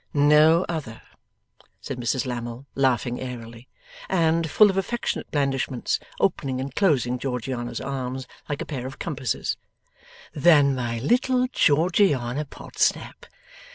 'No other,' said Mrs Lammle, laughing airily, and, full of affectionate blandishments, opening and closing Georgiana's arms like a pair of compasses, 'than my little Georgiana Podsnap.